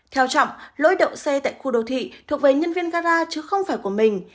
theo trọng lỗi đậu xe tại khu đô thị thuộc về nhân viên gara chứ không phải của mình